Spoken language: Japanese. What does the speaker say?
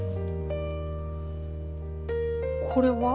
これは？